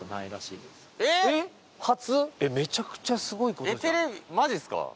めちゃくちゃすごいことじゃんマジっすか？